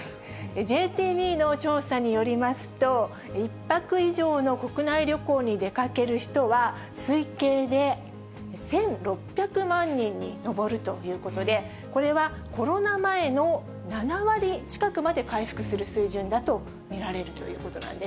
ＪＴＢの調査によりますと、１泊以上の国内旅行に出かける人は、推計で１６００万人に上るということで、これは、コロナ前の７割近くまで回復する水準だと見られるということなん